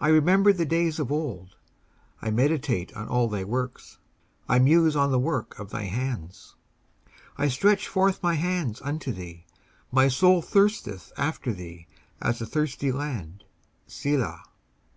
19:143:005 I remember the days of old; I meditate on all thy works; I muse on the work of thy hands. 19:143:006 I stretch forth my hands unto thee: my soul thirsteth after thee, as a thirsty land. Selah.